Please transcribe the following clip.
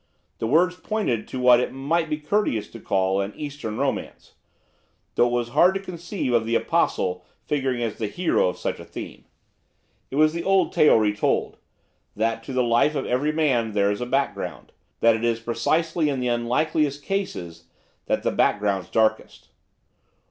The words pointed to what it might be courteous to call an Eastern Romance, though it was hard to conceive of the Apostle figuring as the hero of such a theme. It was the old tale retold, that to the life of every man there is a background, that it is precisely in the unlikeliest cases that the background's darkest.